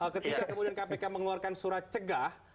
ketika kemudian kpk mengeluarkan surat cegah